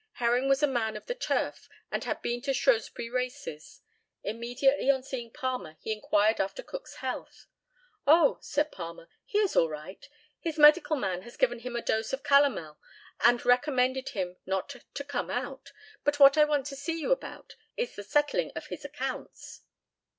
Herring was a man on the turf, and had been to Shrewsbury Races. Immediately on seeing Palmer he inquired after Cook's health. "Oh," said Palmer, "he is all right; his medical man has given him a dose of calomel and recommended him not to come out, and what I want to see you about is the settling of his accounts."